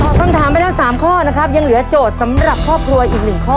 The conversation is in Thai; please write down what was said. ต่อคำถามไปทั้ง๓ข้อยังเหลือโจทย์สำหรับครอบครัวอีก๑ข้อ